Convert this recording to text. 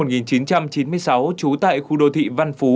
trú tại khu đô thị văn phú